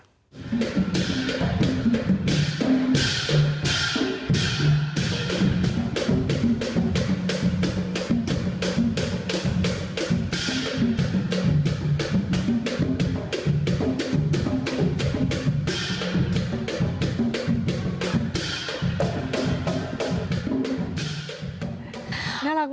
เดี๋ยวนี้เราก้ินมากนะ